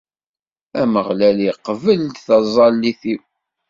Ameɣlal iqbel-d taẓallit-iw.